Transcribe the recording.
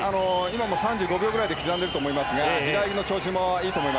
３５秒ぐらいで刻んでいると思います。